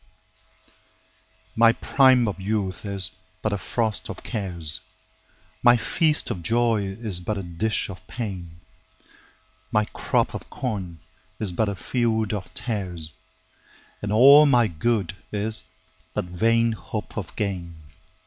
1My prime of youth is but a frost of cares,2My feast of joy is but a dish of pain,3My crop of corn is but a field of tares,4And all my good is but vain hope of gain.